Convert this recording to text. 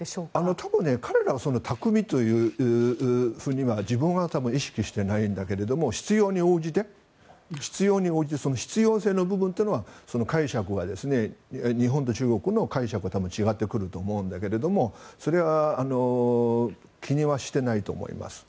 多分、彼らは巧みというふうには自分は意識していないんだけれども必要に応じてその必要性の部分というのは日本と中国の解釈が多分違ってくると思うんだけどそれは気にしていないと思います。